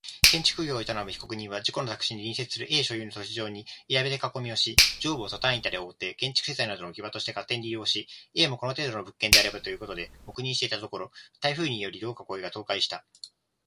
建築業を営む被告人は、自己の宅地に隣接する A 所有の土地上に板塀で囲みをし上部をトタン板で覆って建築資材などの置き場として勝手に利用し、A もこの程度の物件であればと言うことで黙認していたところ、台風により同囲いが倒壊した。